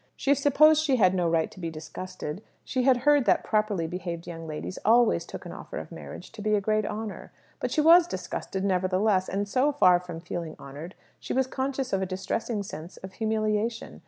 She supposed she had no right to be disgusted; she had heard that properly behaved young ladies always took an offer of marriage to be a great honour. But she was disgusted, nevertheless; and so far from feeling honoured, she was conscious of a distressing sense of humiliation.